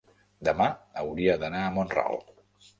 demà hauria d'anar a Mont-ral.